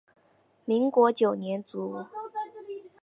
民国九年卒。